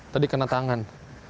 tadi kena tangan